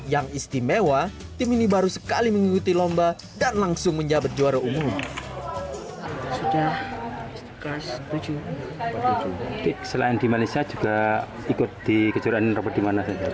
yang istimewa tim ini baru sekali mengikuti lomba dan langsung menjabat juara umum